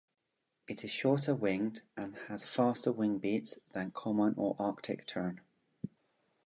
It is shorter-winged and has faster wing beats than common or Arctic tern.